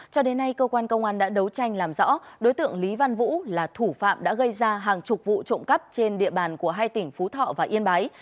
cho đến nay cơ quan công an đã đấu tranh làm rõ đối tượng lý văn vũ là thủ phạm đã gây ra hàng chục vụ trộm cắp trên địa bàn của hai tỉnh phú thọ và yên bái